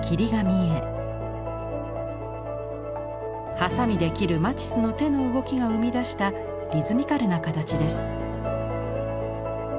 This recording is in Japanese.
はさみで切るマティスの手の動きが生み出したリズミカルな形です。